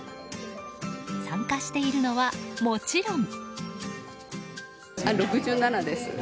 参加しているのは、もちろん。